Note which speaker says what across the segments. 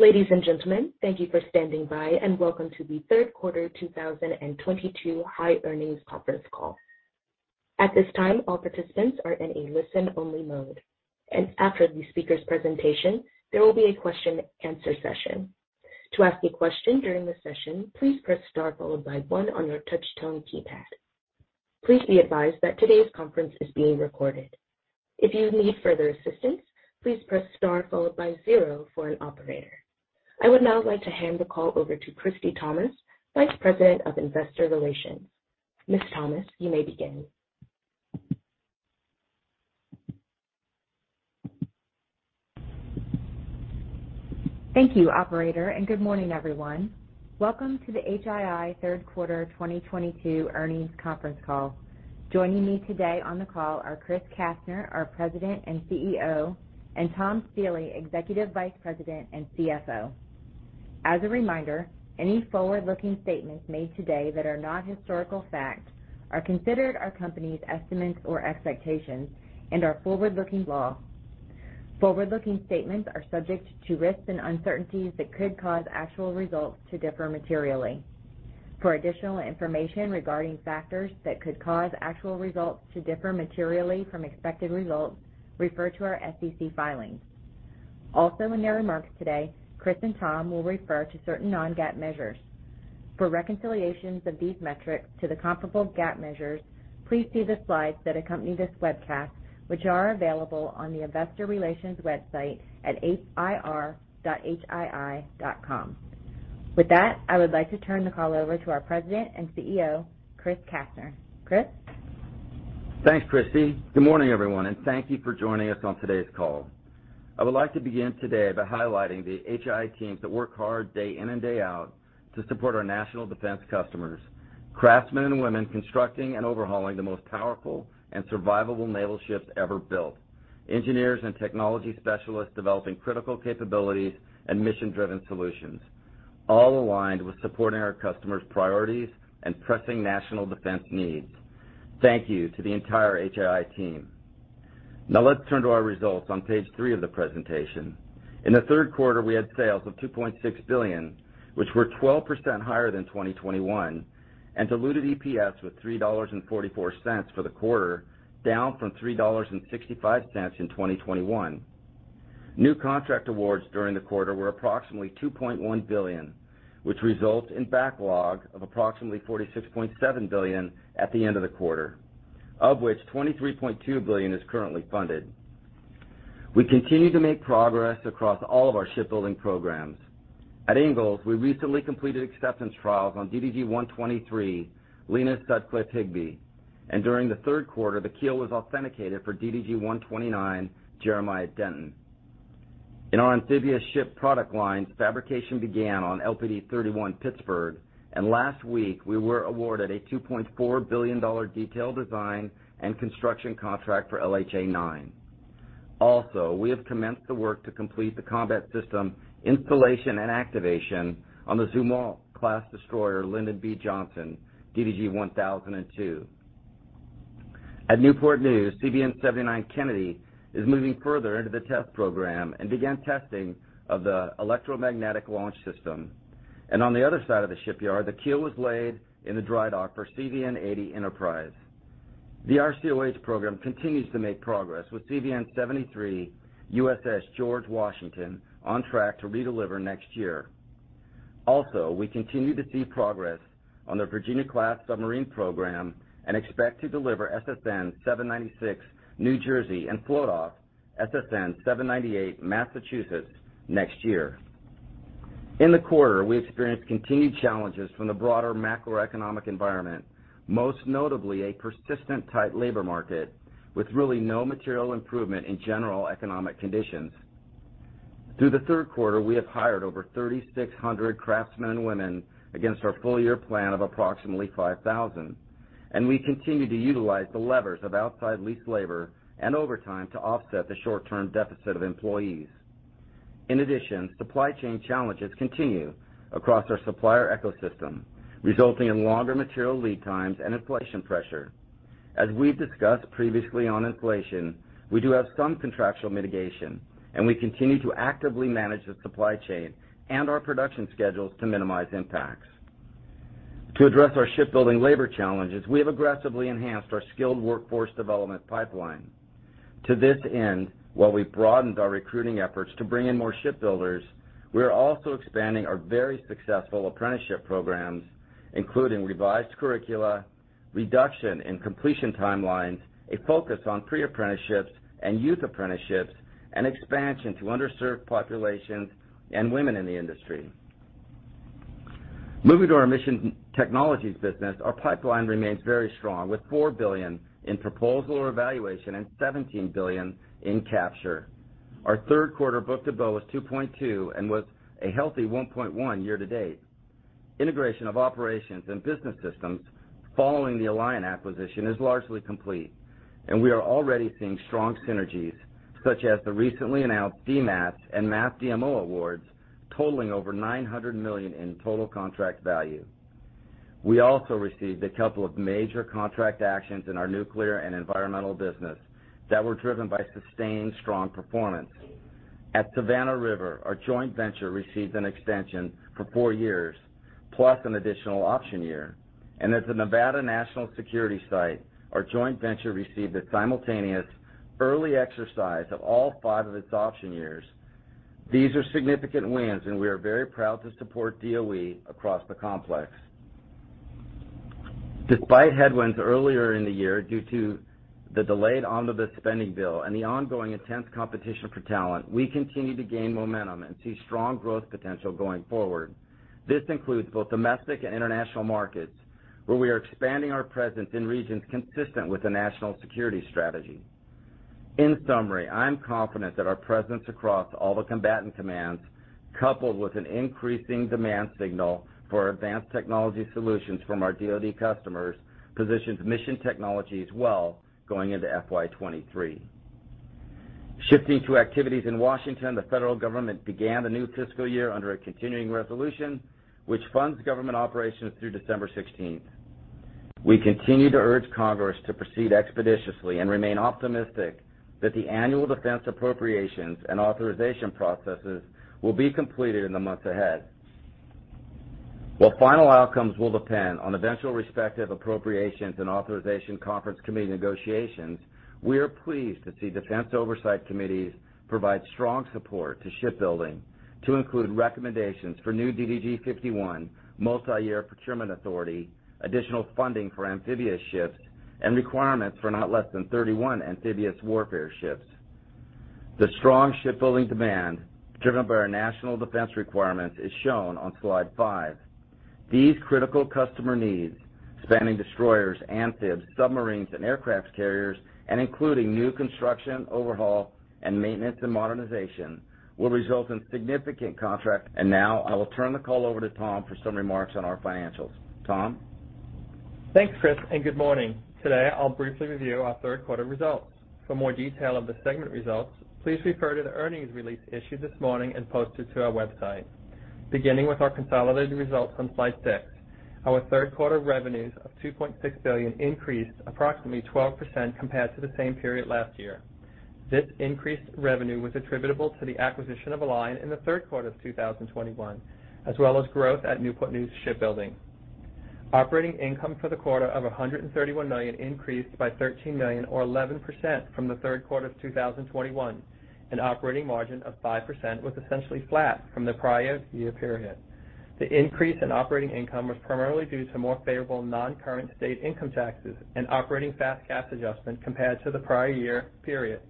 Speaker 1: Ladies and gentlemen, thank you for standing by, and welcome to the third quarter 2022 HII earnings conference call. At this time, all participants are in a listen-only mode. After the speaker's presentation, there will be a question and answer session. To ask a question during the session, please press star followed by one on your touch tone keypad. Please be advised that today's conference is being recorded. If you need further assistance, please press Star followed by zero for an operator. I would now like to hand the call over to Christie Thomas, Vice President of Investor Relations. Ms. Thomas, you may begin.
Speaker 2: Thank you, operator, and good morning, everyone. Welcome to the HII third quarter 2022 earnings conference call. Joining me today on the call are Chris Kastner, our President and CEO, and Tom Stiehle, Executive Vice President and CFO. As a reminder, any forward-looking statements made today that are not historical facts are considered our company's estimates or expectations and are forward-looking statements. Forward-looking statements are subject to risks and uncertainties that could cause actual results to differ materially. For additional information regarding factors that could cause actual results to differ materially from expected results, refer to our SEC filings. Also, in their remarks today, Chris and Tom will refer to certain non-GAAP measures. For reconciliations of these metrics to the comparable GAAP measures, please see the slides that accompany this webcast, which are available on the investor relations website at ir.hii.com. With that, I would like to turn the call over to our President and CEO, Chris Kastner. Chris?
Speaker 3: Thanks, Christie. Good morning, everyone, and thank you for joining us on today's call. I would like to begin today by highlighting the HII teams that work hard day in and day out to support our national defense customers. Craftsmen and women constructing and overhauling the most powerful and survivable naval ships ever built. Engineers and technology specialists developing critical capabilities and mission-driven solutions, all aligned with supporting our customers' priorities and pressing national defense needs. Thank you to the entire HII team. Now let's turn to our results on page three of the presentation. In the third quarter, we had sales of $2.6 billion, which were 12% higher than 2021, and diluted EPS was $3.44 for the quarter, down from $3.65 in 2021. New contract awards during the quarter were approximately $2.1 billion, which results in backlog of approximately $46.7 billion at the end of the quarter, of which $23.2 billion is currently funded. We continue to make progress across all of our shipbuilding programs. At Ingalls, we recently completed acceptance trials on DDG 123, Lenah Sutcliffe Higbee. During the third quarter, the keel was authenticated for DDG 129, Jeremiah Denton. In our amphibious ship product lines, fabrication began on LPD 31 Pittsburgh, and last week, we were awarded a $2.4 billion detail design and construction contract for LHA 9. Also, we have commenced the work to complete the combat system installation and activation on the Zumwalt-class destroyer Lyndon B. Johnson, DDG 1002. At Newport News, CVN 79 Kennedy is moving further into the test program and began testing of the electromagnetic launch system. On the other side of the shipyard, the keel was laid in the dry dock for CVN-80 Enterprise. The RCOH program continues to make progress with CVN 73 USS George Washington on track to redeliver next year. Also, we continue to see progress on the Virginia-class submarine program and expect to deliver SSN 796 New Jersey and float off SSN 798 Massachusetts next year. In the quarter, we experienced continued challenges from the broader macroeconomic environment, most notably a persistent tight labor market with really no material improvement in general economic conditions. Through the third quarter, we have hired over 3,600 craftsmen and women against our full-year plan of approximately 5,000, and we continue to utilize the levers of outside lease labor and overtime to offset the short-term deficit of employees. In addition, supply chain challenges continue across our supplier ecosystem, resulting in longer material lead times and inflation pressure. As we've discussed previously on inflation, we do have some contractual mitigation, and we continue to actively manage the supply chain and our production schedules to minimize impacts. To address our shipbuilding labor challenges, we have aggressively enhanced our skilled workforce development pipeline. To this end, while we've broadened our recruiting efforts to bring in more shipbuilders, we are also expanding our very successful apprenticeship programs, including revised curricula, reduction in completion timelines, a focus on pre-apprenticeships and youth apprenticeships, and expansion to underserved populations and women in the industry. Moving to our Mission Technologies business, our pipeline remains very strong, with $4 billion in proposal or evaluation and $17 billion in capture. Our third quarter book-to-bill was 2.2 and was a healthy 1.1 year-to-date. Integration of operations and business systems following the Alion acquisition is largely complete, and we are already seeing strong synergies, such as the recently announced DMAS and MAP DMO awards totaling over $900 million in total contract value. We also received a couple of major contract actions in our nuclear and environmental business that were driven by sustained strong performance. At Savannah River, our joint venture received an extension for four years, plus an additional option year. At the Nevada National Security Site, our joint venture received a simultaneous early exercise of all five of its option years. These are significant wins, and we are very proud to support DoE across the complex. Despite headwinds earlier in the year due to the delayed omnibus spending bill and the ongoing intense competition for talent, we continue to gain momentum and see strong growth potential going forward. This includes both domestic and international markets, where we are expanding our presence in regions consistent with the national security strategy. In summary, I'm confident that our presence across all the combatant commands, coupled with an increasing demand signal for advanced technology solutions from our DoD customers, positions Mission Technologies well going into FY 2023. Shifting to activities in Washington, the federal government began the new fiscal year under a continuing resolution, which funds government operations through December sixteenth. We continue to urge Congress to proceed expeditiously and remain optimistic that the annual defense appropriations and authorization processes will be completed in the months ahead. While final outcomes will depend on eventual respective appropriations and authorization conference committee negotiations, we are pleased to see defense oversight committees provide strong support to shipbuilding to include recommendations for new DDG 51 multiyear procurement authority, additional funding for amphibious ships, and requirements for not less than 31 amphibious warfare ships. The strong shipbuilding demand driven by our national defense requirements is shown on slide five. These critical customer needs, spanning destroyers, amphibs, submarines, and aircraft carriers, and including new construction, overhaul, and maintenance and modernization, will result in significant contract. Now I will turn the call over to Tom for some remarks on our financials. Tom?
Speaker 4: Thanks, Chris, and good morning. Today, I'll briefly review our third quarter results. For more detail of the segment results, please refer to the earnings release issued this morning and posted to our website. Beginning with our consolidated results on slide six, our third quarter revenues of $2.6 billion increased approximately 12% compared to the same period last year. This increased revenue was attributable to the acquisition of Alion in the third quarter of 2021, as well as growth at Newport News Shipbuilding. Operating income for the quarter of $131 million increased by $13 million or 11% from the third quarter of 2021, and operating margin of 5% was essentially flat from the prior year period. The increase in operating income was primarily due to more favorable nonrecurring state income taxes and operating FAS/CAS adjustment compared to the prior year period,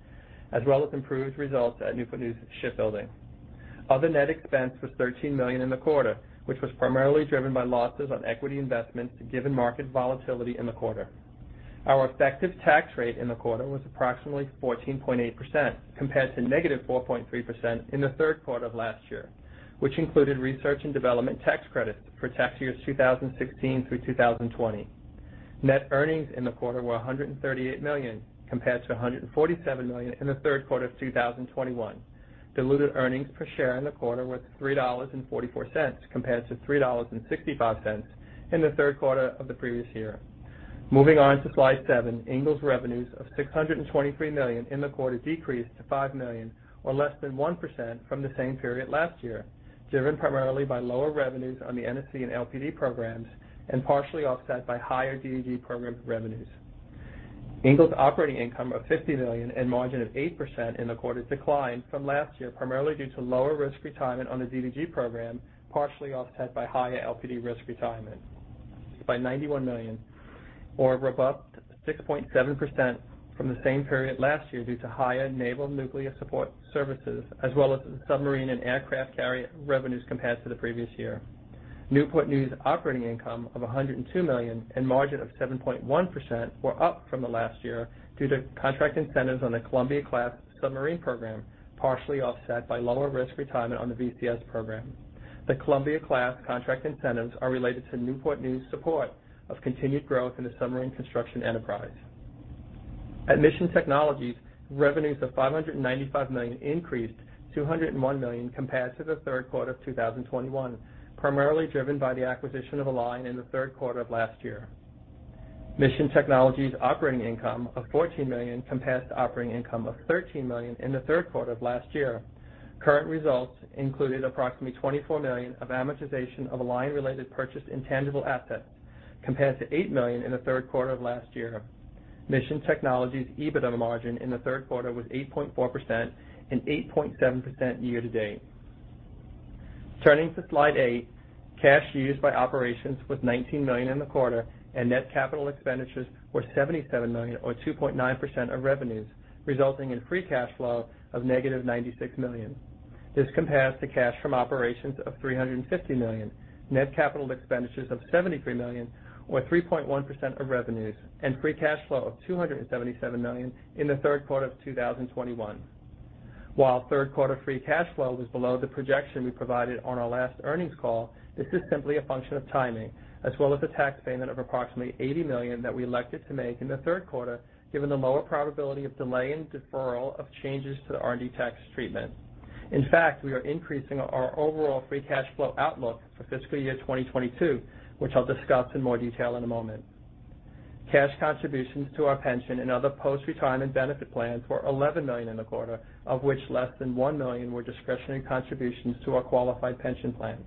Speaker 4: as well as improved results at Newport News Shipbuilding. Other net expense was $13 million in the quarter, which was primarily driven by losses on equity investments given market volatility in the quarter. Our effective tax rate in the quarter was approximately 14.8% compared to -4.3% in the third quarter of last year, which included research and development tax credits for tax years 2016 through 2020. Net earnings in the quarter were $138 million compared to $147 million in the third quarter of 2021. Diluted earnings per share in the quarter was $3.44 compared to $3.65 in the third quarter of the previous year. Moving on to slide seven, Ingalls revenues of $623 million in the quarter decreased by $5 million or less than 1% from the same period last year, driven primarily by lower revenues on the NSC and LPD programs and partially offset by higher DDG program revenues. Ingalls operating income of $50 million and margin of 8% in the quarter declined from last year, primarily due to lower risk retirement on the DDG program, partially offset by higher LPD risk retirement. Newport News revenues increased by $91 million or about 6.7% from the same period last year due to higher naval nuclear support services as well as submarine and aircraft carrier revenues compared to the previous year. Newport News operating income of $102 million and margin of 7.1% were up from last year due to contract incentives on the Columbia-class submarine program, partially offset by lower risk retirement on the VCS program. The Columbia-class contract incentives are related to Newport News' support of continued growth in the submarine construction enterprise. At Mission Technologies, revenues of $595 million increased by $101 million compared to the third quarter of 2021, primarily driven by the acquisition of Alion in the third quarter of last year. Mission Technologies' operating income of $14 million compared to operating income of $13 million in the third quarter of last year. Current results included approximately $24 million of amortization of Alion-related purchased intangible assets compared to $8 million in the third quarter of last year. Mission Technologies' EBITDA margin in the third quarter was 8.4% and 8.7% year-to-date. Turning to slide eight, cash used by operations was $19 million in the quarter and net capital expenditures were $77 million or 2.9% of revenues, resulting in free cash flow of -$96 million. This compares to cash from operations of $350 million, net capital expenditures of $73 million or 3.1% of revenues, and free cash flow of $277 million in the third quarter of 2021. While third quarter free cash flow was below the projection we provided on our last earnings call, this is simply a function of timing as well as a tax payment of approximately $80 million that we elected to make in the third quarter given the lower probability of delay and deferral of changes to the R&D tax treatment. In fact, we are increasing our overall free cash flow outlook for fiscal year 2022, which I'll discuss in more detail in a moment. Cash contributions to our pension and other post-retirement benefit plans were $11 million in the quarter, of which less than $1 million were discretionary contributions to our qualified pension plans.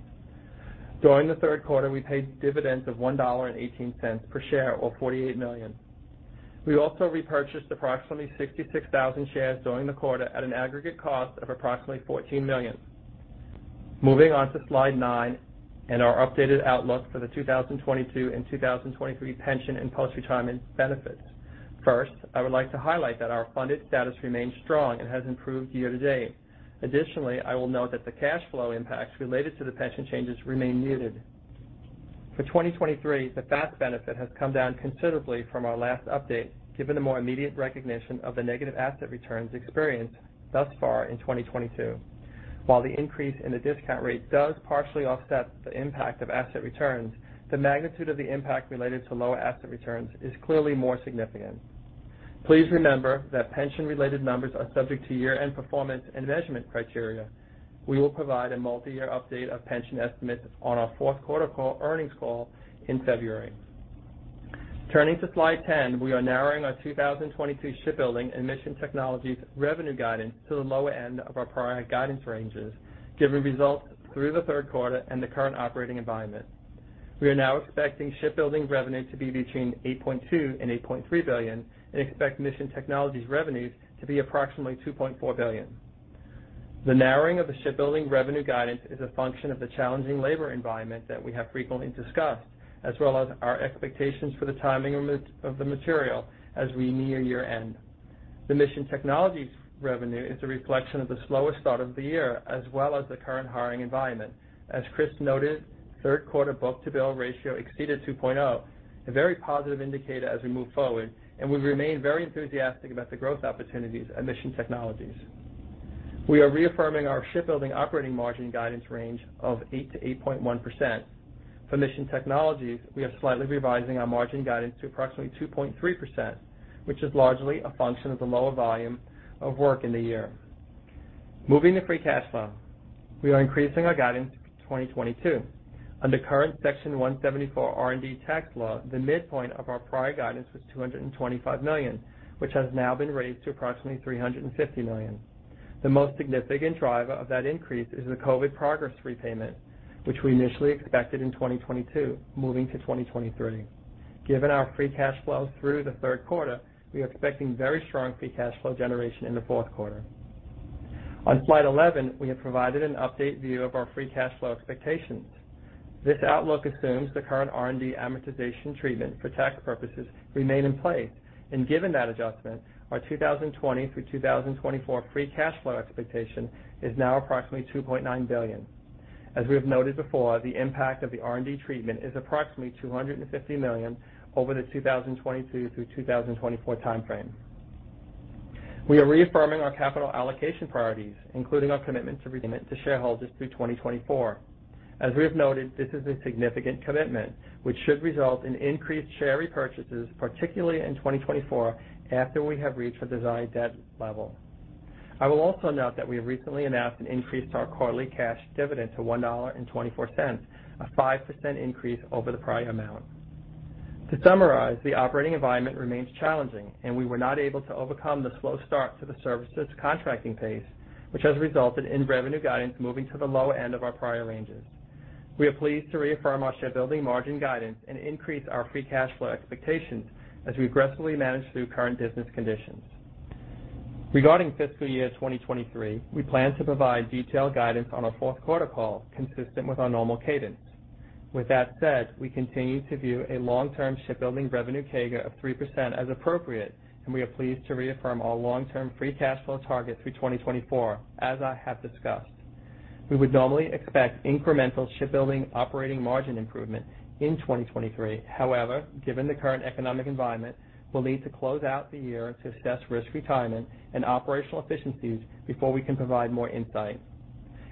Speaker 4: During the third quarter, we paid dividends of $1.18 per share, or $48 million. We also repurchased approximately 66,000 shares during the quarter at an aggregate cost of approximately $14 million. Moving on to slide nine and our updated outlook for the 2022 and 2023 pension and post-retirement benefits. First, I would like to highlight that our funded status remains strong and has improved year-to-date. Additionally, I will note that the cash flow impacts related to the pension changes remain muted. For 2023, the FAS benefit has come down considerably from our last update, given the more immediate recognition of the negative asset returns experienced thus far in 2022. While the increase in the discount rate does partially offset the impact of asset returns, the magnitude of the impact related to lower asset returns is clearly more significant. Please remember that pension-related numbers are subject to year-end performance and measurement criteria. We will provide a multiyear update of pension estimates on our fourth quarter earnings call in February. Turning to slide 10, we are narrowing our 2022 Shipbuilding and Mission Technologies revenue guidance to the lower end of our prior guidance ranges, given results through the third quarter and the current operating environment. We are now expecting Shipbuilding revenue to be between $8.2 billion and $8.3 billion and expect Mission Technologies revenues to be approximately $2.4 billion. The narrowing of the Shipbuilding revenue guidance is a function of the challenging labor environment that we have frequently discussed, as well as our expectations for the timing of the material as we near year-end. The Mission Technologies revenue is a reflection of the slower start of the year as well as the current hiring environment. As Chris noted, third quarter book-to-bill ratio exceeded 2.0, a very positive indicator as we move forward, and we remain very enthusiastic about the growth opportunities at Mission Technologies. We are reaffirming our shipbuilding operating margin guidance range of 8%-8.1%. For Mission Technologies, we are slightly revising our margin guidance to approximately 2.3%, which is largely a function of the lower volume of work in the year. Moving to free cash flow, we are increasing our guidance for 2022. Under current Section 174 R&D tax law, the midpoint of our prior guidance was $225 million, which has now been raised to approximately $350 million. The most significant driver of that increase is the COVID progress repayment, which we initially expected in 2022 moving to 2023. Given our free cash flow through the third quarter, we are expecting very strong free cash flow generation in the fourth quarter. On slide 11, we have provided an update view of our free cash flow expectations. This outlook assumes the current R&D amortization treatment for tax purposes remain in place. Given that adjustment, our 2020-2024 free cash flow expectation is now approximately $2.9 billion. As we have noted before, the impact of the R&D treatment is approximately $250 million over the 2022-2024 time frame. We are reaffirming our capital allocation priorities, including our commitment to remit to shareholders through 2024. As we have noted, this is a significant commitment, which should result in increased share repurchases, particularly in 2024 after we have reached our desired debt level. I will also note that we have recently announced an increase to our quarterly cash dividend to $1.24, a 5% increase over the prior amount. To summarize, the operating environment remains challenging, and we were not able to overcome the slow start to the services contracting pace, which has resulted in revenue guidance moving to the low end of our prior ranges. We are pleased to reaffirm our shipbuilding margin guidance and increase our free cash flow expectations as we aggressively manage through current business conditions. Regarding fiscal year 2023, we plan to provide detailed guidance on our fourth quarter call, consistent with our normal cadence. With that said, we continue to view a long-term shipbuilding revenue CAGR of 3% as appropriate, and we are pleased to reaffirm our long-term free cash flow target through 2024, as I have discussed. We would normally expect incremental shipbuilding operating margin improvement in 2023. However, given the current economic environment, we'll need to close out the year to assess risk, retirement, and operational efficiencies before we can provide more insight.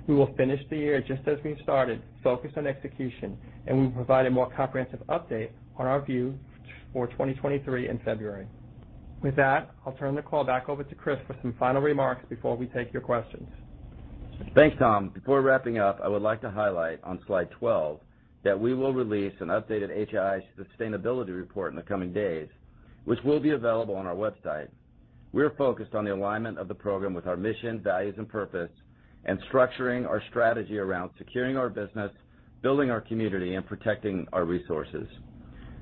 Speaker 4: We will finish the year just as we've started, focused on execution, and we will provide a more comprehensive update on our view for 2023 in February. With that, I'll turn the call back over to Chris for some final remarks before we take your questions.
Speaker 3: Thanks, Tom. Before wrapping up, I would like to highlight on slide 12 that we will release an updated HII Sustainability Report in the coming days, which will be available on our website. We are focused on the alignment of the program with our mission, values, and purpose, and structuring our strategy around securing our business, building our community, and protecting our resources.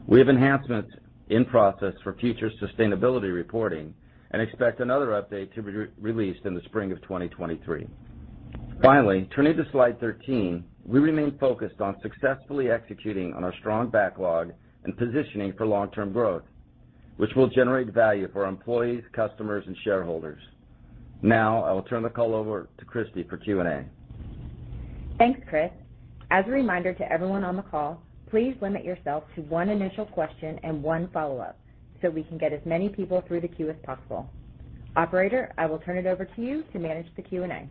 Speaker 3: We have enhancements in process for future sustainability reporting and expect another update to be re-released in the spring of 2023. Finally, turning to slide 13, we remain focused on successfully executing on our strong backlog and positioning for long-term growth, which will generate value for our employees, customers, and shareholders. Now, I will turn the call over to Christie for Q&A.
Speaker 2: Thanks, Chris. As a reminder to everyone on the call, please limit yourself to one initial question and one follow-up so we can get as many people through the queue as possible. Operator, I will turn it over to you to manage the Q&A.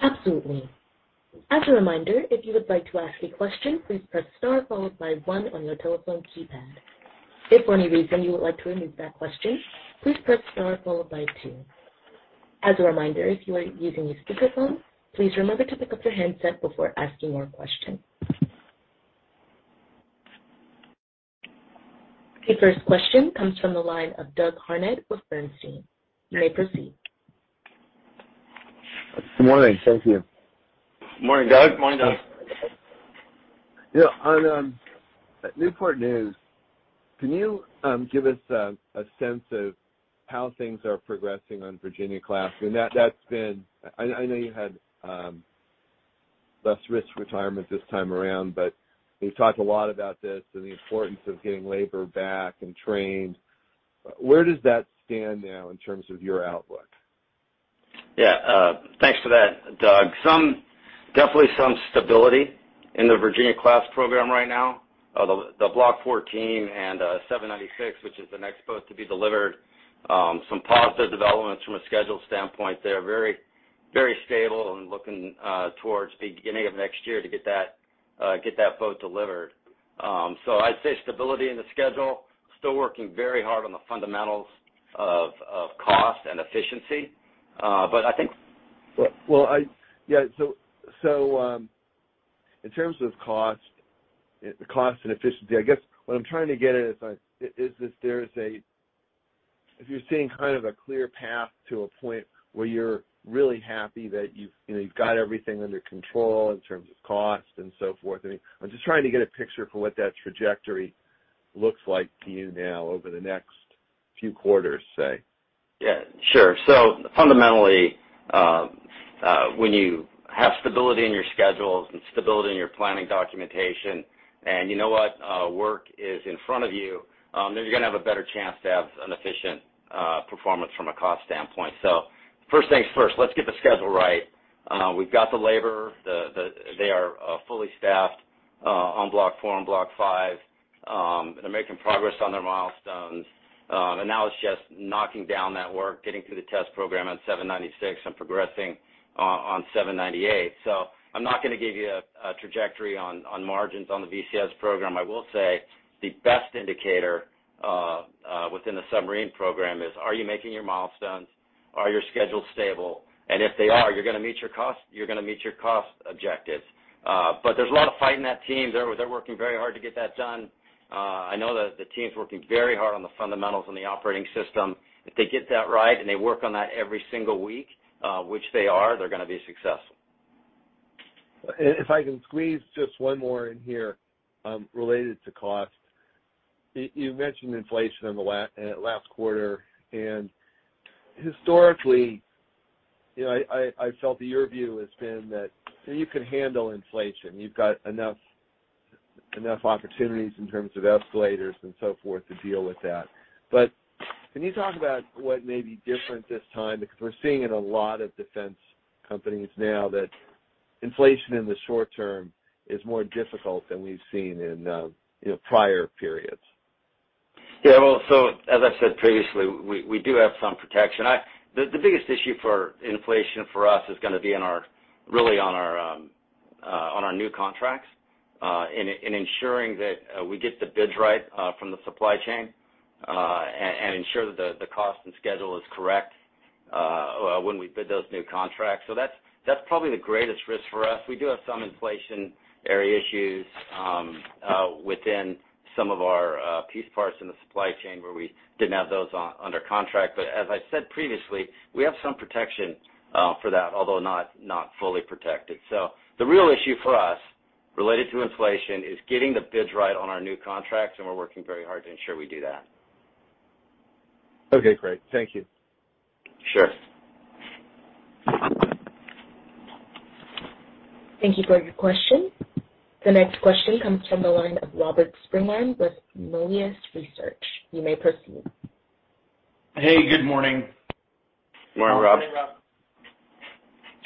Speaker 1: Absolutely. As a reminder, if you would like to ask a question, please press star followed by one on your telephone keypad. If for any reason you would like to remove that question, please press star followed by two. As a reminder, if you are using a speakerphone, please remember to pick up your handset before asking your question. The first question comes from the line of Doug Harned with Bernstein. You may proceed.
Speaker 5: Good morning. Thank you.
Speaker 3: Morning, Doug.
Speaker 4: Morning, Doug.
Speaker 5: Yeah. On Newport News, can you give us a sense of how things are progressing on Virginia-class? I mean, that's been. I know you had less risk retirement this time around, but you talked a lot about this and the importance of getting labor back and trained. Where does that stand now in terms of your outlook?
Speaker 3: Yeah, thanks for that, Doug. Definitely some stability in the Virginia-class program right now. The Block IV and 796, which is the next boat to be delivered, some positive developments from a schedule standpoint. They are very, very stable and looking towards beginning of next year to get that boat delivered. So I'd say stability in the schedule. Still working very hard on the fundamentals of cost and efficiency. But I think.
Speaker 5: In terms of cost, the cost and efficiency, I guess what I'm trying to get at is there a clear path to a point where you're really happy that you've, you know, you've got everything under control in terms of cost and so forth. I mean, I'm just trying to get a picture for what that trajectory looks like to you now over the next few quarters, say.
Speaker 3: Yeah, sure. Fundamentally, when you have stability in your schedules and stability in your planning documentation, and you know what, work is in front of you, then you're gonna have a better chance to have an efficient performance from a cost standpoint. First things first, let's get the schedule right. We've got the labor. They are fully staffed on Block IV and Block V. They're making progress on their milestones. Now it's just knocking down that work, getting through the test program on 796 and progressing on 798. I'm not gonna give you a trajectory on margins on the VCS program. I will say the best indicator within the submarine program is, are you making your milestones? Are your schedules stable? If they are, you're gonna meet your cost objectives. There's a lot of fight in that team. They're working very hard to get that done. I know that the team's working very hard on the fundamentals and the operating system. If they get that right, and they work on that every single week, which they are, they're gonna be successful.
Speaker 5: If I can squeeze just one more in here, related to cost. You mentioned inflation in the last quarter, and historically, you know, I felt that your view has been that, you know, you can handle inflation. You've got enough opportunities in terms of escalators and so forth to deal with that. Can you talk about what may be different this time? Because we're seeing in a lot of defense companies now that inflation in the short term is more difficult than we've seen in, you know, prior periods.
Speaker 3: Yeah. Well, as I said previously, we do have some protection. The biggest issue for inflation for us is gonna be in our really on our new contracts in ensuring that we get the bids right from the supply chain and ensure that the cost and schedule is correct when we bid those new contracts. That's probably the greatest risk for us. We do have some inflationary issues within some of our piece parts in the supply chain where we didn't have those under contract. As I said previously, we have some protection for that, although not fully protected. The real issue for us related to inflation is getting the bids right on our new contracts, and we're working very hard to ensure we do that.
Speaker 5: Okay, great. Thank you.
Speaker 3: Sure.
Speaker 1: Thank you for your question. The next question comes from the line of Robert Spingarn with Melius Research. You may proceed.
Speaker 6: Hey, good morning.
Speaker 3: Morning, Rob.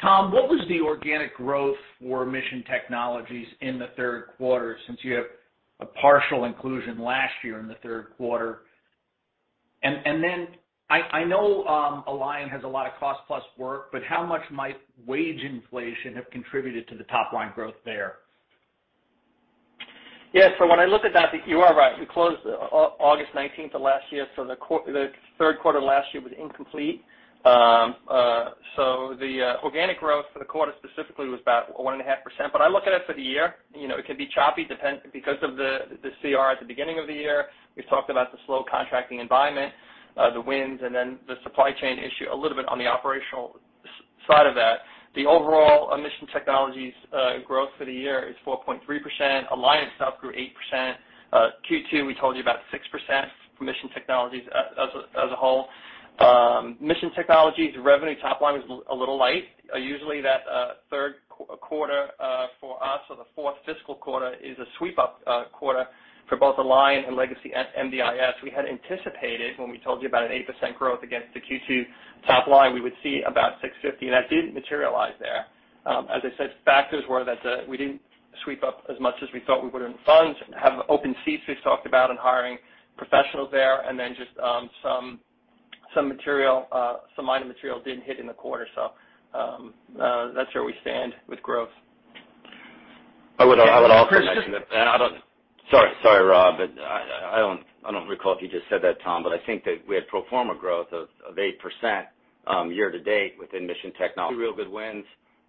Speaker 6: Tom, what was the organic growth for Mission Technologies in the third quarter, since you have a partial inclusion last year in the third quarter? Then I know Alion has a lot of cost plus work, but how much might wage inflation have contributed to the top line growth there?
Speaker 4: When I look at that, you are right. We closed August 19th of last year, so the third quarter last year was incomplete. The organic growth for the quarter specifically was about 1.5%. I look at it for the year. You know, it could be choppy because of the CR at the beginning of the year. We've talked about the slow contracting environment, the wins and then the supply chain issue a little bit on the operational side of that. The overall Mission Technologies growth for the year is 4.3%. Alion itself grew 8%. Q2, we told you about 6% for Mission Technologies as a whole. Mission Technologies revenue top line is a little light. Usually, that third quarter for us or the fourth fiscal quarter is a sweep up quarter for both Alion and legacy MDIS. We had anticipated when we told you about an 8% growth against the Q2 top line, we would see about $650, and that didn't materialize there. As I said, factors were that we didn't sweep up as much as we thought we would in funds, have open seats we've talked about in hiring professionals there and then just some minor material didn't hit in the quarter. That's where we stand with growth.
Speaker 3: I would also mention that. Sorry, Rob. I don't recall if you just said that, Tom. I think that we had pro forma growth of 8% year-to-date within Mission Technologies. Two real good wins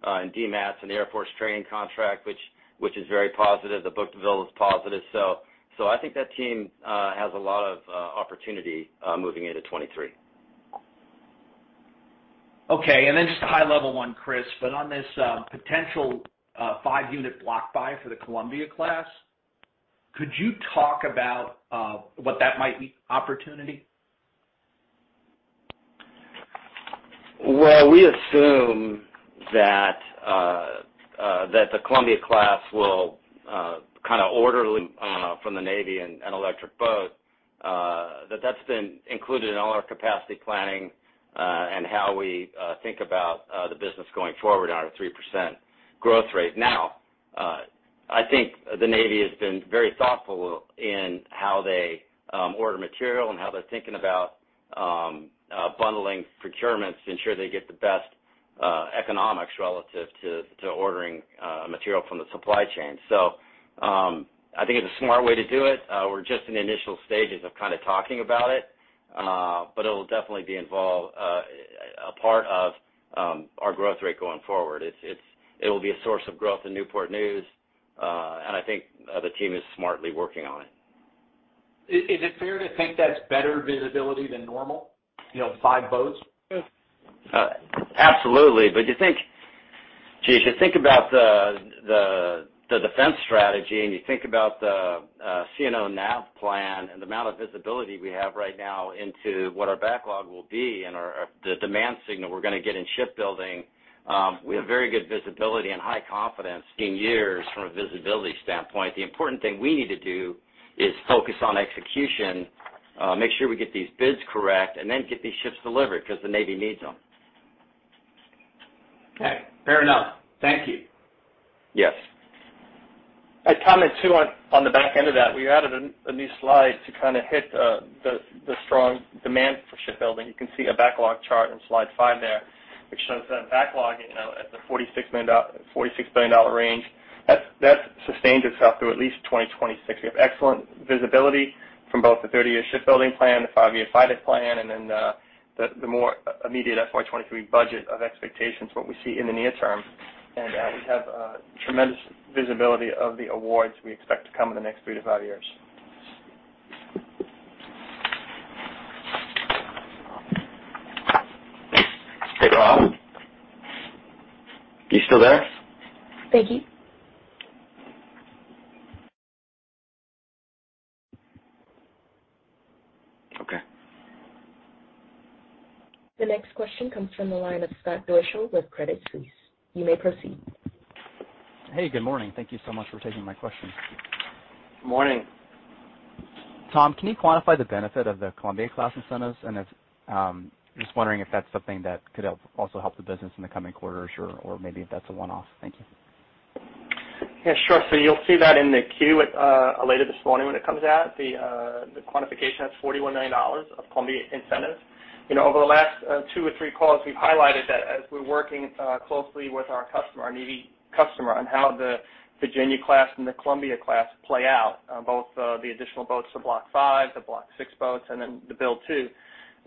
Speaker 3: in DMAS and Air Force training contract, which is very positive. The book-to-bill is positive. I think that team has a lot of opportunity moving into 2023.
Speaker 6: Okay, just a high-level one, Chris. On this, potential five-unit block buy for the Columbia-class, could you talk about what that might mean opportunity?
Speaker 3: Well, we assume that the Columbia-class will kind of orderly from the Navy and Electric Boat that that's been included in all our capacity planning and how we think about the business going forward on our 3% growth rate. I think the Navy has been very thoughtful in how they order material and how they're thinking about bundling procurements to ensure they get the best economics relative to ordering material from the supply chain. I think it's a smart way to do it. We're just in the initial stages of kind of talking about it. It'll definitely be involved a part of our growth rate going forward.It'll be a source of growth in Newport News, and I think the team is smartly working on it.
Speaker 6: Is it fair to think that's better visibility than normal, you know, five boats?
Speaker 3: Absolutely. You think, geez, you think about the defense strategy, and you think about the CNO nav plan and the amount of visibility we have right now into what our backlog will be and the demand signal we're gonna get in shipbuilding. We have very good visibility and high confidence in years from a visibility standpoint. The important thing we need to do is focus on execution, make sure we get these bids correct, and then get these ships delivered 'cause the Navy needs them.
Speaker 6: Okay, fair enough. Thank you.
Speaker 3: Yes.
Speaker 4: I'd comment too on the back end of that. We added a new slide to kind of hit the strong demand for shipbuilding. You can see a backlog chart in slide five there, which shows that backlog, you know, at the $46 billion range. That sustains itself through at least 2026. We have excellent visibility from both the 30-year shipbuilding plan, the five-year defense plan, and then the more immediate FY 2023 budget and expectations, what we see in the near term. We have tremendous visibility of the awards we expect to come in the next 3-5 years.
Speaker 3: Hey, Rob, you still there?
Speaker 1: Thank you.
Speaker 3: Okay.
Speaker 1: The next question comes from the line of Scott Deuschle with Credit Suisse. You may proceed.
Speaker 7: Hey, good morning. Thank you so much for taking my questions.
Speaker 3: Morning.
Speaker 7: Tom, can you quantify the benefit of the Columbia-class incentives? Just wondering if that's something that could also help the business in the coming quarters or maybe if that's a one-off. Thank you.
Speaker 4: Yeah, sure. So you'll see that in the queue at later this morning when it comes out. The quantification, that's $41 million of Columbia-class incentives. You know, over the last two or three calls, we've highlighted that as we're working closely with our customer, our Navy customer, on how the Virginia-class and the Columbia-class play out, both the additional boats to Block V, the Block VI boats, and then the build two.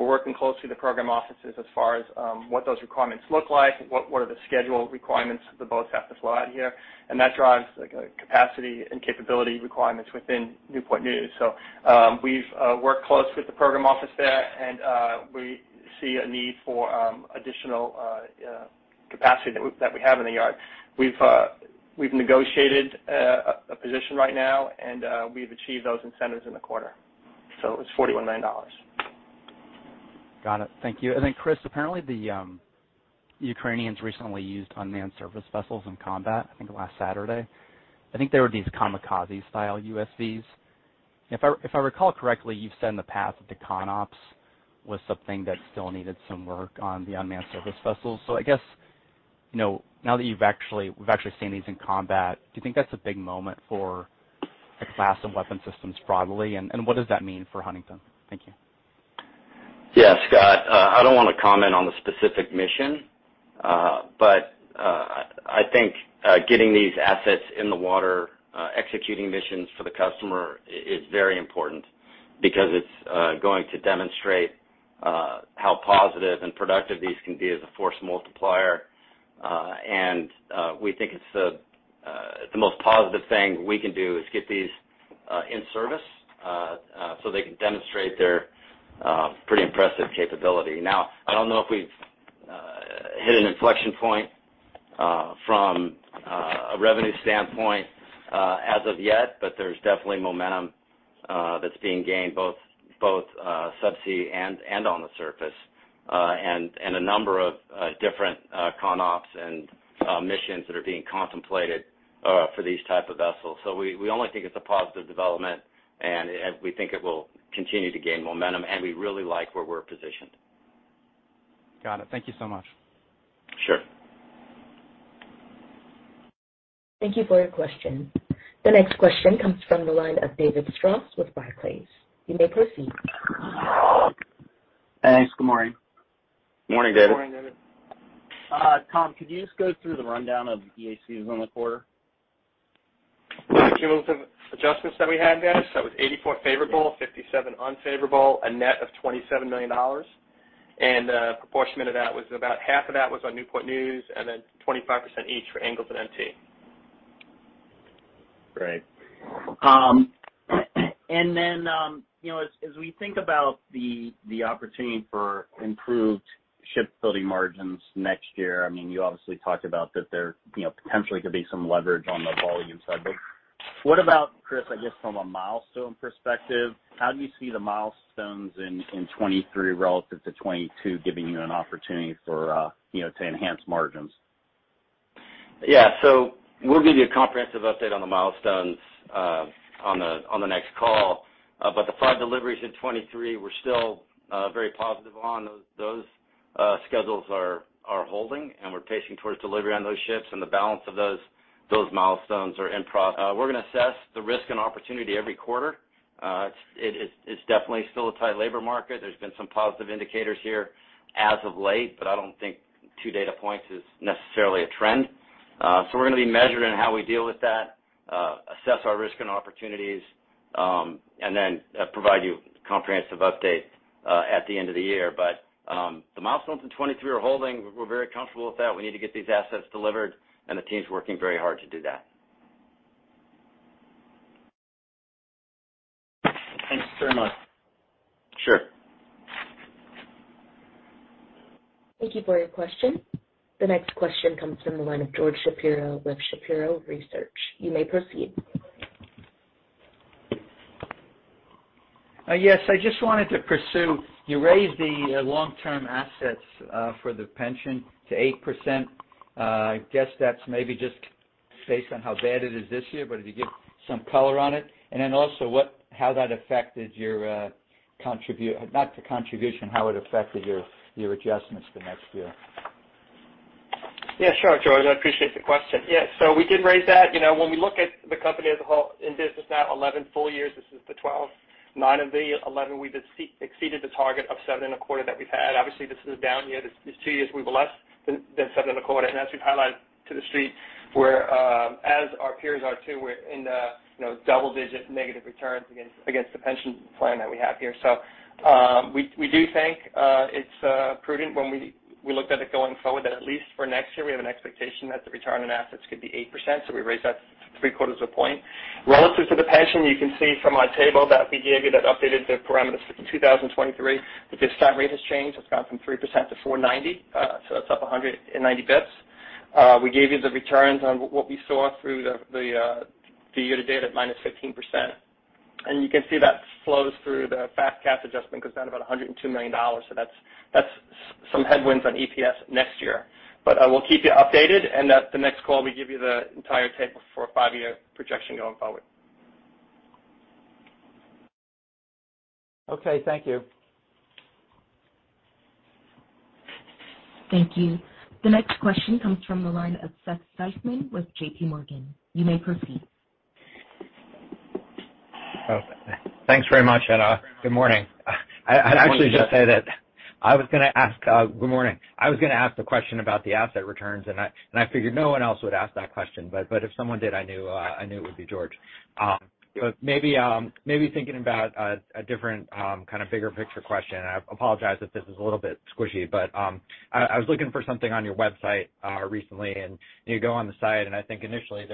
Speaker 4: We're working closely with the program offices as far as what those requirements look like, what are the schedule requirements the boats have to fly out here. That drives, like, capacity and capability requirements within Newport News. We've worked close with the program office there, and we see a need for additional capacity that we have in the yard. We've negotiated a position right now, and we've achieved those incentives in the quarter. It was $41 million.
Speaker 7: Got it. Thank you. Chris, apparently the Ukrainians recently used unmanned surface vessels in combat, I think last Saturday. I think they were these kamikaze style USVs. If I recall correctly, you've said in the past that the ConOps was something that still needed some work on the unmanned surface vessels. I guess, you know, now that we've actually seen these in combat, do you think that's a big moment for the class and weapon systems broadly? What does that mean for Huntington? Thank you.
Speaker 3: Yeah, Scott. I don't wanna comment on the specific mission. I think getting these assets in the water, executing missions for the customer is very important because it's going to demonstrate how positive and productive these can be as a force multiplier. We think it's the most positive thing we can do is get these in service so they can demonstrate their pretty impressive capability. Now, I don't know if we've hit an inflection point from a revenue standpoint as of yet, but there's definitely momentum that's being gained both sub-sea and on the surface. A number of different ConOps and missions that are being contemplated for these type of vessels. We only think it's a positive development, and we think it will continue to gain momentum, and we really like where we're positioned.
Speaker 7: Got it. Thank you so much.
Speaker 3: Sure.
Speaker 1: Thank you for your question. The next question comes from the line of David Strauss with Barclays. You may proceed.
Speaker 8: Thanks. Good morning.
Speaker 3: Morning, David.
Speaker 8: Tom, could you just go through the rundown of EACs on the quarter?
Speaker 4: Cumulative adjustments that we had, David. It was 84 favorable, 57 unfavorable, a net of $27 million. Portion of that was about half on Newport News and then 25% each for Ingalls and NT.
Speaker 8: Great. You know, as we think about the opportunity for improved shipbuilding margins next year, I mean, you obviously talked about that there, you know, potentially could be some leverage on the volume side. What about, Chris, I guess, from a milestone perspective, how do you see the milestones in 2023 relative to 2022 giving you an opportunity for, you know, to enhance margins?
Speaker 3: Yeah. We'll give you a comprehensive update on the milestones on the next call. The five deliveries in 2023, we're still very positive on. Those schedules are holding, and we're pacing towards delivery on those ships. We're gonna assess the risk and opportunity every quarter. It is definitely still a tight labor market. There have been some positive indicators here as of late, but I don't think two data points is necessarily a trend. We're gonna be measured in how we deal with that, assess our risk and opportunities, and then provide you comprehensive update at the end of the year. The milestones in 2023 are holding. We're very comfortable with that we need to get these assets delivered and the team's working very hard to do that.
Speaker 8: Thanks very much.
Speaker 3: Sure.
Speaker 1: Thank you for your question. The next question comes from the line of George Shapiro with Shapiro Research. You may proceed.
Speaker 9: Yes, I just wanted to pursue. You raised the long-term assets for the pension to 8%. I guess that's maybe just based on how bad it is this year, but if you give some color on it. Then also, how that affected your, not the contribution, how it affected your adjustments for next year.
Speaker 4: Yeah, sure, George. I appreciate the question. Yeah. We did raise that. You know, when we look at the company as a whole in business now 11 full years, this is the 12th. Nine of the 11 we've exceeded the target of 7.25 that we've had. Obviously, this is a down year. These two years we've less than 7.25. As we've highlighted to the street, we're, as our peers are too, we're in the double-digit negative returns against the pension plan that we have here. We do think it's prudent when we looked at it going forward that at least for next year, we have an expectation that the return on assets could be 8%. We raised that 0.75 of a point. Relative to the pension, you can see from our table that we gave you that updated the parameters for 2023. The discount rate has changed. It's gone from 3% to 4.90%. So that's up 190 basis points. We gave you the returns on what we saw through the year-to-date at -15%. You can see that flows through the FAS/CAS adjustment goes down about $102 million. So that's some headwinds on EPS next year. We'll keep you updated. At the next call, we give you the entire table for a five-year projection going forward.
Speaker 9: Okay, thank you.
Speaker 1: Thank you. The next question comes from the line of Seth Seifman with JPMorgan. You may proceed.
Speaker 10: Oh. Thanks very much, and good morning.
Speaker 3: Good morning.
Speaker 10: I'd actually just say that I was gonna ask. Good morning. I was gonna ask the question about the asset returns, and I figured no one else would ask that question, but if someone did, I knew it would be George. Maybe thinking about a different kind of bigger picture question. I apologize if this is a little bit squishy, but I was looking for something on your website recently. You go on the site, and I think initially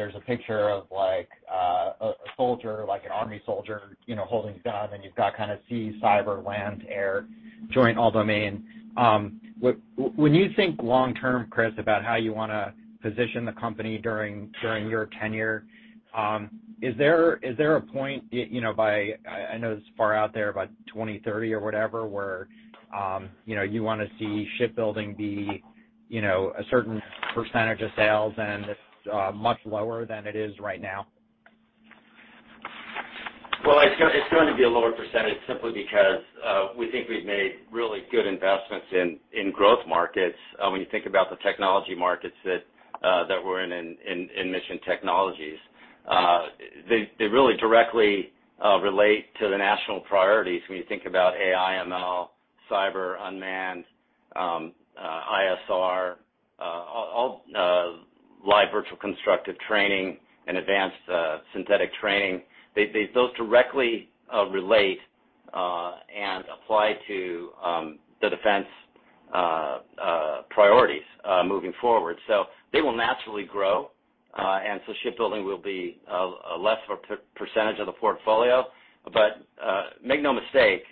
Speaker 10: there's a picture of like a soldier, like an army soldier, you know, holding a gun, and you've got kind of sea, cyber, land, air, joint, all domain. When you think long term, Chris, about how you wanna position the company during your tenure, is there a point, you know, by 2030 or whatever, where you know, you wanna see shipbuilding be, you know, a certain percentage of sales and much lower than it is right now?
Speaker 3: Well, it's going to be a lower percentage simply because we think we've made really good investments in growth markets. When you think about the technology markets that we're in in Mission Technologies, they really directly relate to the national priorities when you think about AI, ML, cyber, unmanned, ISR, all live virtual constructive training and advanced synthetic training. Those directly relate and apply to the defense priorities moving forward. They will naturally grow, and shipbuilding will be a less of a percentage of the portfolio. But make no mistake,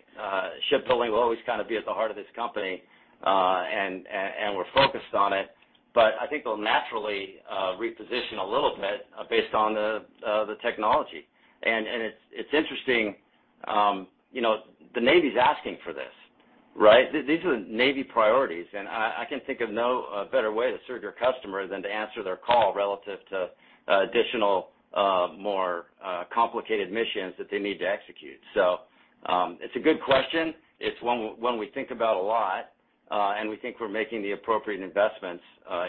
Speaker 3: shipbuilding will always kind of be at the heart of this company, and we're focused on it. I think we'll naturally reposition a little bit based on the technology. It's interesting, you know, the Navy's asking for this, right? These are Navy priorities, and I can think of no better way to serve your customer than to answer their call relative to additional more complicated missions that they need to execute. It's a good question. It's one we think about a lot, and we think we're making the appropriate investments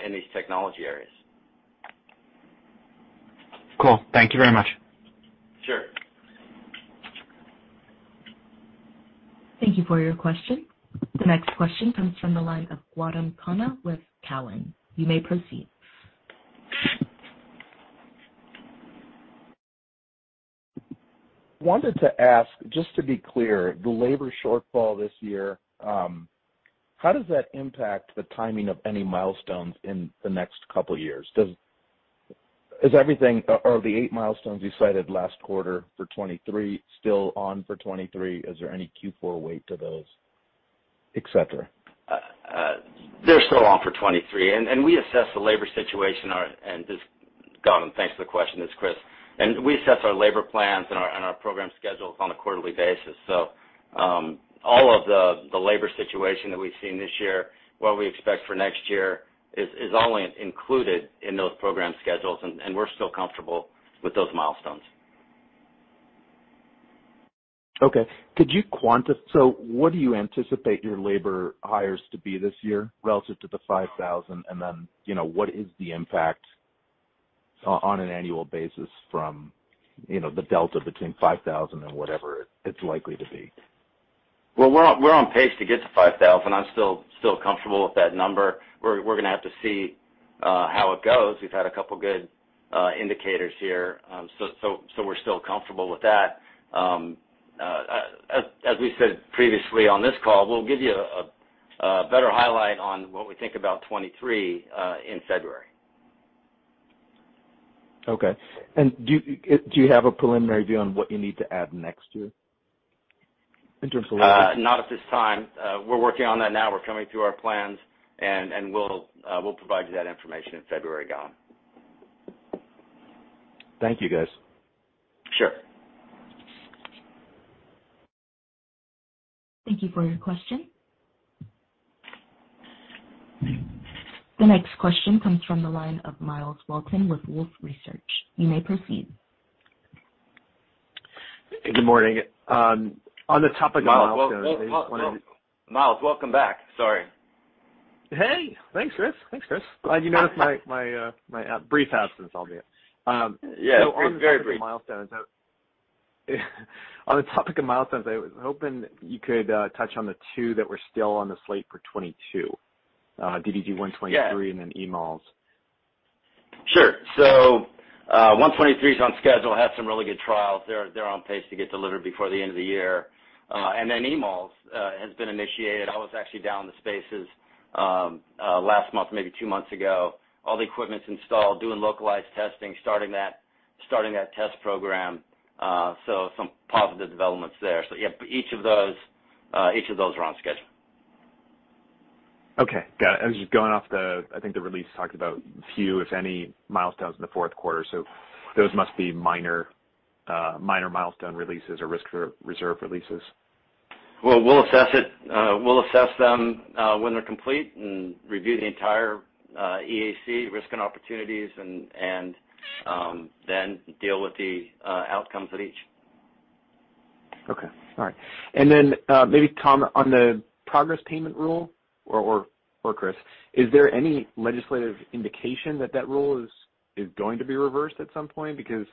Speaker 3: in these technology areas.
Speaker 10: Cool. Thank you very much.
Speaker 3: Sure.
Speaker 1: Thank you for your question. The next question comes from the line of Gautam Khanna with Cowen. You may proceed.
Speaker 11: Wanted to ask, just to be clear, the labor shortfall this year, how does that impact the timing of any milestones in the next couple years? Are the eight milestones you cited last quarter for 2023 still on for 2023? Is there any Q4 weight to those, et cetera?
Speaker 3: They're still on for 2023. We assess the labor situation, our labor plans and our program schedules on a quarterly basis. Gautam, thanks for the question. It's Chris. We assess our labor plans and our program schedules on a quarterly basis. All of the labor situation that we've seen this year, what we expect for next year, is all included in those program schedules, and we're still comfortable with those milestones.
Speaker 11: Okay. What do you anticipate your labor hires to be this year relative to the 5,000? You know, what is the impact on an annual basis from, you know, the delta between 5,000 and whatever it's likely to be?
Speaker 3: Well, we're on pace to get to 5,000. I'm still comfortable with that number. We're gonna have to see how it goes. We've had a couple good indicators here. We're still comfortable with that. As we said previously on this call, we'll give you a better highlight on what we think about 2023 in February.
Speaker 11: Okay. Do you have a preliminary view on what you need to add next year in terms of labor?
Speaker 3: Not at this time. We're working on that now. We're coming through our plans and we'll provide you that information in February, Gautam.
Speaker 11: Thank you, guys.
Speaker 3: Sure.
Speaker 1: Thank you for your question. The next question comes from the line of Myles Walton with Wolfe Research. You may proceed.
Speaker 12: Good morning. On the topic of milestones, I just wanted.
Speaker 3: Myles, welcome back. Sorry.
Speaker 12: Hey, thanks, Chris. Glad you noticed my brief absence, albeit. On the topic of milestones.
Speaker 3: Yes, very brief.
Speaker 12: On the topic of milestones, I was hoping you could touch on the two that were still on the slate for 2022, DDG 123-
Speaker 3: Yeah
Speaker 12: EMALS.
Speaker 3: Sure. 123's on schedule, had some really good trials. They're on pace to get delivered before the end of the year. EMALS has been initiated. I was actually down the spaces last month, maybe two months ago. All the equipment's installed, doing localized testing, starting that test program, so some positive developments there. Yeah, each of those are on schedule.
Speaker 12: Okay. Got it. I was just going off the. I think the release talked about few, if any, milestones in the fourth quarter, so those must be minor milestone releases or risk reserve releases.
Speaker 3: Well, we'll assess it. We'll assess them when they're complete and review the entire EAC risk and opportunities and then deal with the outcomes of each.
Speaker 12: Okay. All right. Maybe Tom, on the progress payment rule, or Chris, is there any legislative indication that that rule is going to be reversed at some point? Because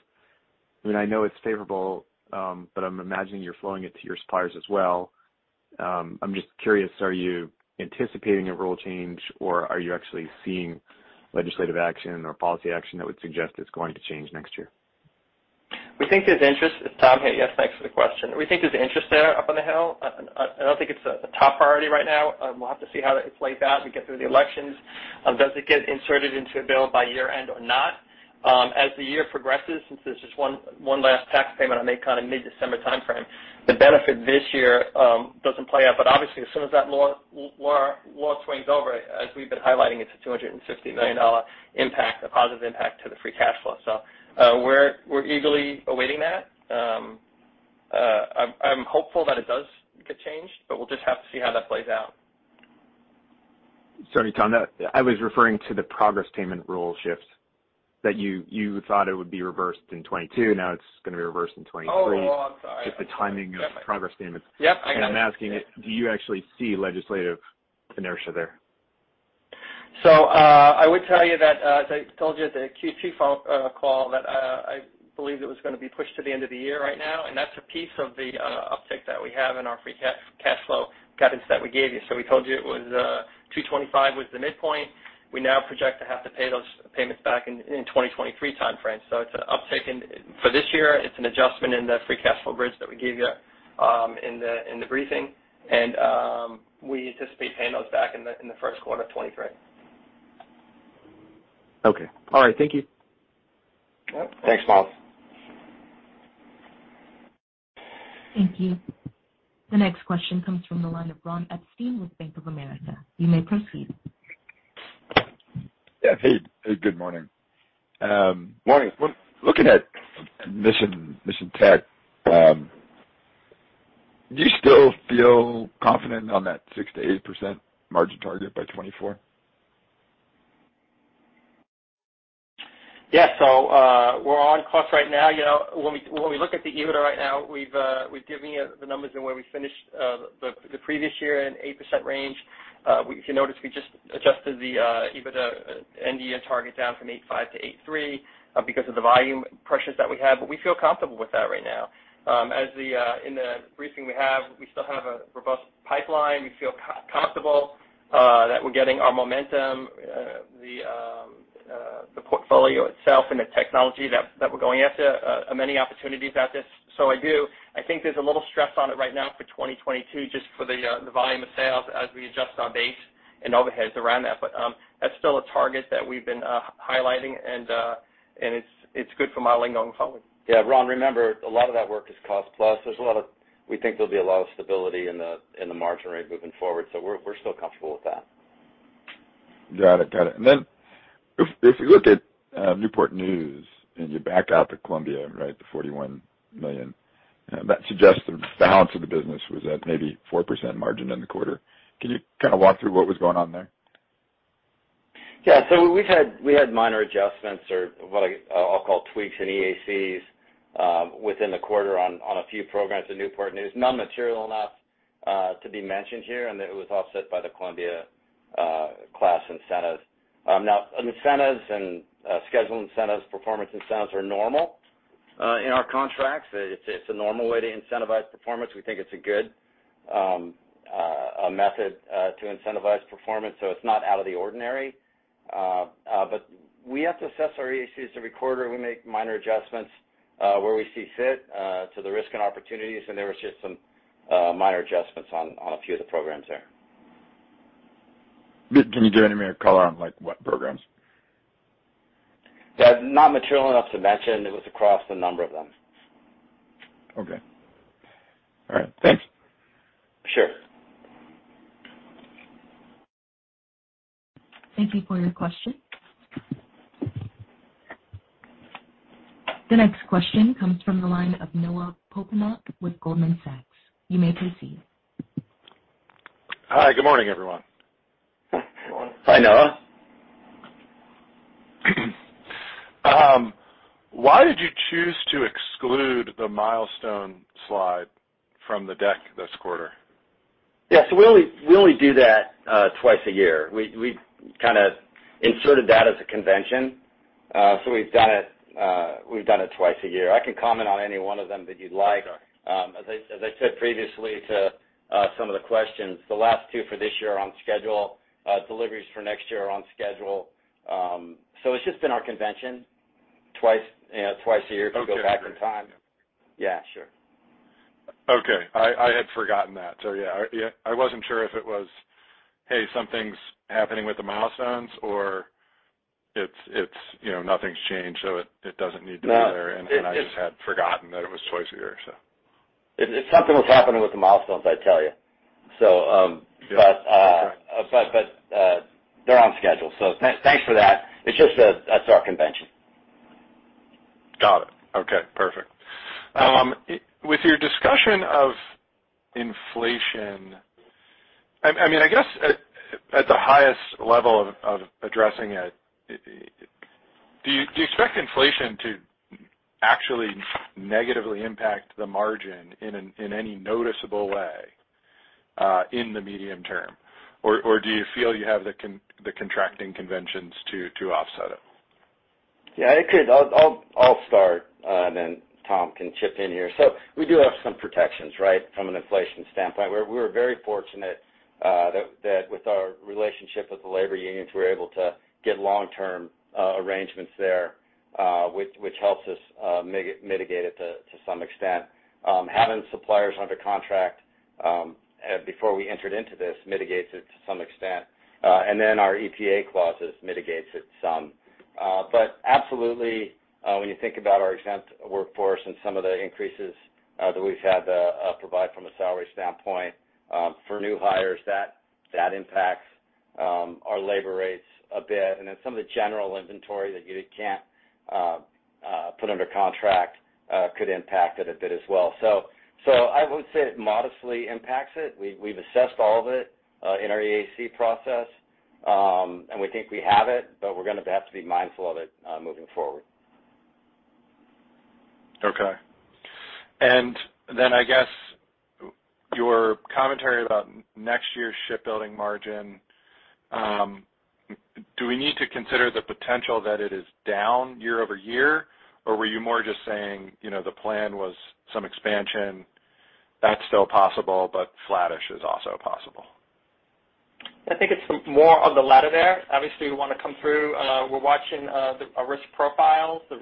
Speaker 12: I mean, I know it's favorable, but I'm imagining you're flowing it to your suppliers as well. I'm just curious, are you anticipating a rule change, or are you actually seeing legislative action or policy action that would suggest it's going to change next year?
Speaker 4: We think there's interest. It's Tom here. Yes, thanks for the question. We think there's interest there up on the hill. I don't think it's a top priority right now. We'll have to see how that plays out as we get through the elections. Does it get inserted into a bill by year-end or not? As the year progresses, since there's just one last tax payment on May, kind of mid-December timeframe, the benefit this year doesn't play out. Obviously, as soon as that law swings over, as we've been highlighting, it's a $250 million impact, a positive impact to the free cash flow. We're eagerly awaiting that. I'm hopeful that it does get changed, but we'll just have to see how that plays out.
Speaker 12: Sorry, Tom. I was referring to the progress payment rule shift that you thought it would be reversed in 2022. Now it's gonna be reversed in 2023.
Speaker 4: Oh, I'm sorry.
Speaker 12: Just the timing of progress payments.
Speaker 4: Yep, I got it.
Speaker 12: I'm asking, do you actually see legislative inertia there?
Speaker 4: I would tell you that, as I told you at the Q2 call, I believed it was gonna be pushed to the end of the year right now, and that's a piece of the uptick that we have in our free cash flow guidance that we gave you. We told you $225 million was the midpoint. We now project to have to pay those payments back in 2023 timeframe. It's an uptick. For this year, it's an adjustment in the free cash flow bridge that we gave you in the briefing. We anticipate paying those back in the first quarter of 2023.
Speaker 12: Okay. All right. Thank you.
Speaker 4: Yep.
Speaker 3: Thanks, Myles.
Speaker 1: Thank you. The next question comes from the line of Ronald Epstein with Bank of America. You may proceed.
Speaker 13: Yeah. Hey. Hey, good morning.
Speaker 3: Morning
Speaker 13: Looking at Mission Technologies, do you still feel confident on that 6%-8% margin target by 2024?
Speaker 4: Yeah. We're on cost right now. You know, when we look at the EBITDA right now, we've given you the numbers and where we finished the previous year in 8% range. If you notice, we just adjusted the EBITDA and the target down from 8.5% to 8.3% because of the volume pressures that we have. We feel comfortable with that right now. As in the briefing we have, we still have a robust pipeline. We feel comfortable that we're getting our momentum, the portfolio itself and the technology that we're going after, many opportunities out there. I do. I think there's a little stress on it right now for 2022, just for the volume of sales as we adjust our base and overheads around that. That's still a target that we've been highlighting, and it's good for modeling going forward.
Speaker 3: Yeah. Ron, remember, a lot of that work is cost plus. We think there'll be a lot of stability in the margin rate moving forward, so we're still comfortable with that.
Speaker 13: Got it. If you look at Newport News and you back out the Columbia, right, the $41 million, that suggests the balance of the business was at maybe 4% margin in the quarter. Can you kind of walk through what was going on there?
Speaker 3: We had minor adjustments or what I'll call tweaks in EACs within the quarter on a few programs at Newport News. Non-material enough to be mentioned here, and it was offset by the Columbia-class incentives. Now incentives and schedule incentives, performance incentives are normal in our contracts. It's a normal way to incentivize performance. We think it's a good method to incentivize performance, so it's not out of the ordinary. But we have to assess our EACs every quarter. We make minor adjustments where we see fit to the risk and opportunities, and there was just some minor adjustments on a few of the programs there.
Speaker 13: Can you give any more color on, like, what programs?
Speaker 3: Yeah. Not material enough to mention. It was across a number of them.
Speaker 13: Okay. All right. Thanks.
Speaker 3: Sure.
Speaker 1: Thank you for your question. The next question comes from the line of Noah Poponak with Goldman Sachs. You may proceed.
Speaker 14: Hi. Good morning, everyone.
Speaker 4: Good morning.
Speaker 3: Hi, Noah.
Speaker 14: Why did you choose to exclude the milestone slide from the deck this quarter?
Speaker 3: Yeah. We only do that twice a year. We've kinda inserted that as a convention. We've done it twice a year. I can comment on any one of them that you'd like.
Speaker 14: Okay.
Speaker 3: As I said previously to some of the questions, the last two for this year are on schedule. Deliveries for next year are on schedule. It's just been our convention twice, you know, twice a year to go back in time.
Speaker 14: Okay.
Speaker 3: Yeah, sure.
Speaker 14: Okay. I had forgotten that. Yeah, I wasn't sure if it was, hey, something's happening with the milestones, or it's, you know, nothing's changed, so it doesn't need to be there.
Speaker 3: No, it's
Speaker 14: I just had forgotten that it was twice a year, so.
Speaker 3: If something was happening with the milestones, I'd tell you.
Speaker 14: Yeah. Okay.
Speaker 3: They're on schedule. Thanks for that. It's just that that's our convention.
Speaker 14: Got it. Okay. Perfect. With your discussion of inflation, I mean, I guess at the highest level of addressing it, do you expect inflation to actually negatively impact the margin in any noticeable way in the medium term, or do you feel you have the contracting conventions to offset it?
Speaker 3: Yeah, it could. I'll start, and then Tom can chip in here. We do have some protections, right, from an inflation standpoint. We're very fortunate that with our relationship with the labor unions, we're able to get long-term arrangements there, which helps us mitigate it to some extent. Having suppliers under contract before we entered into this mitigates it to some extent. Our EPA clauses mitigate it some. Absolutely, when you think about our exempt workforce and some of the increases that we've had to provide from a salary standpoint for new hires, that impacts our labor rates a bit. Some of the general inventory that you can't put under contract could impact it a bit as well. I would say it modestly impacts it. We've assessed all of it in our EAC process, and we think we have it, but we're gonna have to be mindful of it moving forward.
Speaker 14: Okay. I guess your commentary about next year's shipbuilding margin, do we need to consider the potential that it is down year-over-year, or were you more just saying, you know, the plan was some expansion that's still possible, but flattish is also possible?
Speaker 4: I think it's more of the latter there. Obviously, we wanna come through. We're watching our risk profiles, the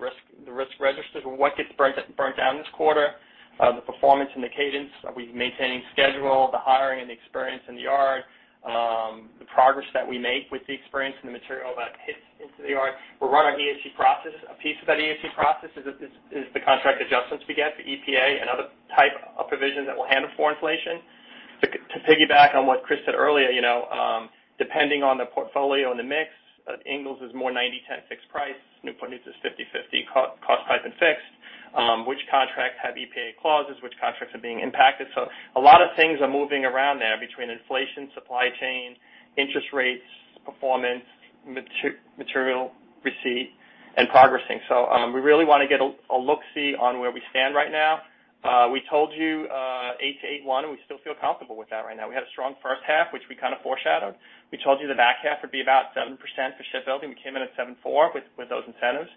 Speaker 4: risk registers, what gets burnt down this quarter, the performance and the cadence. Are we maintaining schedule? The hiring and the experience in the yard, the progress that we make with the experience and the material that hits into the yard. We're running our EAC process. A piece of that EAC process is the contract adjustments we get, the EPA and other type of provisions that will handle for inflation. To piggyback on what Chris said earlier, you know, depending on the portfolio and the mix, Ingalls is more 90/10 60 price. Newport News is 50/50 cost type and fixed. Which contracts have EPA clauses, which contracts are being impacted. A lot of things are moving around there between inflation, supply chain, interest rates, performance, material receipt and progressing. We really wanna get a look-see on where we stand right now. We told you 8%-8.1%, and we still feel comfortable with that right now. We had a strong first half, which we kinda foreshadowed. We told you the back half would be about 7% for shipbuilding. We came in at 7.4% with those incentives.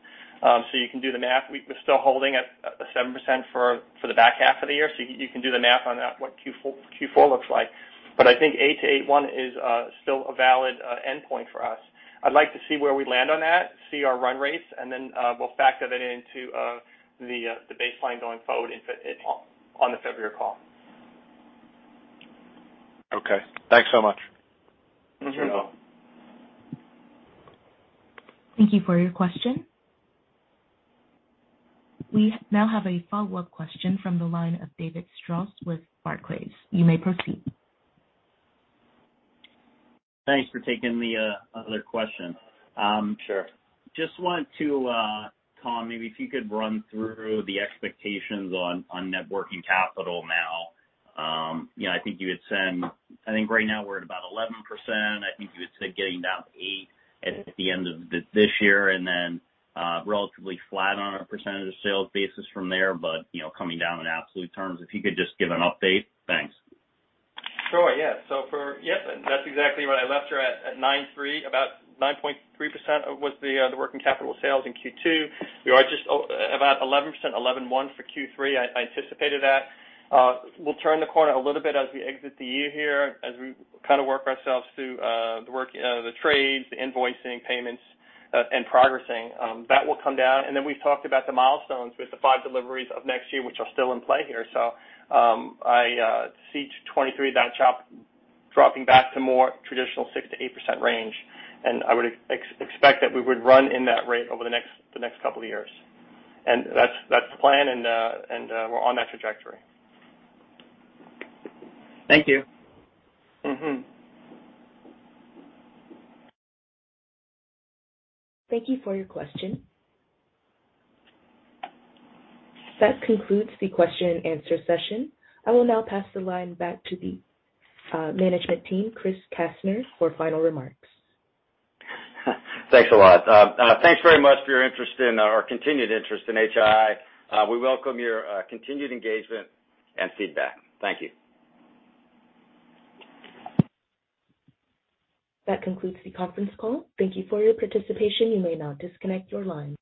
Speaker 4: You can do the math. We're still holding at 7% for the back half of the year. You can do the math on that, what Q4 looks like. I think 8%-8.1% is still a valid endpoint for us. I'd like to see where we land on that, see our run rates, and then we'll factor that into the baseline going forward on the February call.
Speaker 14: Okay. Thanks so much.
Speaker 4: Mm-hmm.
Speaker 3: You're welcome.
Speaker 1: Thank you for your question. We now have a follow-up question from the line of David Strauss with Barclays. You may proceed.
Speaker 8: Thanks for taking the other question.
Speaker 4: Sure.
Speaker 8: Just wanted to, Tom, maybe if you could run through the expectations on net working capital now. You know, I think you had said, I think right now we're at about 11%. I think you had said getting down to 8% at the end of this year and then relatively flat on a percentage of sales basis from there, but you know, coming down in absolute terms. If you could just give an update. Thanks.
Speaker 4: Sure, yeah. Yep, that's exactly what I left it at 9.3%. About 9.3% was the working capital sales in Q2. We are just about 11%, 11.1% for Q3. I anticipated that. We'll turn the corner a little bit as we exit the year here, as we kinda work ourselves through the work, the trades, the invoicing, payments, and progressing. That will come down. Then we've talked about the milestones with the five deliveries of next year, which are still in play here. I see 2023, that chop dropping back to more traditional 6%-8% range, and I would expect that we would run in that rate over the next couple of years. That's the plan, and we're on that trajectory.
Speaker 8: Thank you.
Speaker 4: Mm-hmm.
Speaker 1: Thank you for your question. That concludes the question-and-answer session. I will now pass the line back to the management team, Chris Kastner, for final remarks.
Speaker 3: Thanks a lot. Thanks very much for your interest and or continued interest in HII. We welcome your continued engagement and feedback. Thank you.
Speaker 1: That concludes the conference call. Thank you for your participation. You may now disconnect your line.